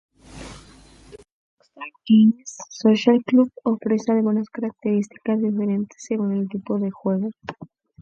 Rockstar Games Social Club ofrece algunas características diferentes según el tipo de juego.